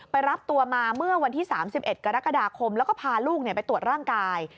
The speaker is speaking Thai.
รับตัวมาเมื่อวันที่๓๑กรกฎาคมแล้วก็พาลูกไปตรวจร่างกาย